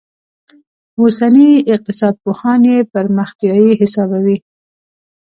اوسني اقتصاد پوهان یې پرمختیايي حسابوي.